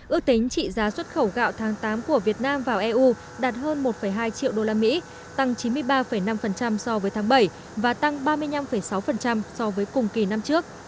ước tính trị giá xuất khẩu gạo tháng tám của việt nam vào eu đạt hơn một hai triệu usd tăng chín mươi ba năm so với tháng bảy và tăng ba mươi năm sáu so với cùng kỳ năm trước